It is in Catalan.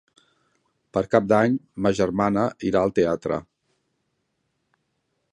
Per Cap d'Any ma germana irà al teatre.